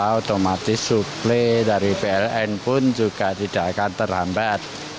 dan juga otomatis suplai dari pln pun juga tidak akan terhambat